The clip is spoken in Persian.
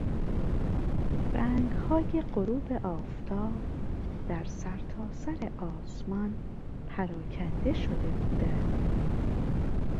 رنگهای غروب آفتاب در سرتاسر آسمان پراکنده شده بودند.